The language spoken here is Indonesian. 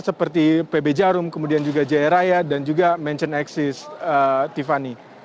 seperti pb jarum kemudian juga jaya raya dan juga mansion axis tiffany